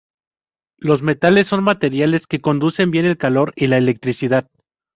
Los metales son materiales que conducen bien el calor y la electricidad.